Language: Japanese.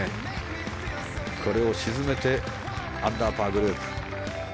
これを沈めてアンダーパーグループ。